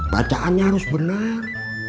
bacaannya harus benar